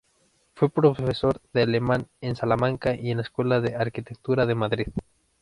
Fue profesor de alemán en Salamanca y en la Escuela de Arquitectura de Madrid.